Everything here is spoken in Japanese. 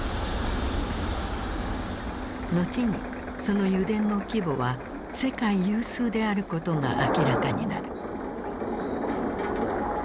後にその油田の規模は世界有数であることが明らかになる。